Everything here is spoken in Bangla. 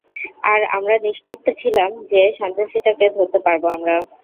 আর আমরা নিশ্চিত ছিলাম যে সন্ত্রাসীটাকে ধরতে পারব আমরা।